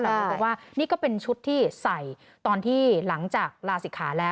เขาบอกว่านี่ก็เป็นชุดที่ใส่ตอนที่หลังจากลาศิกขาแล้ว